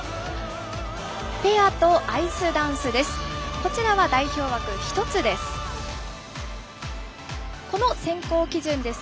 ペアとアイスダンスです。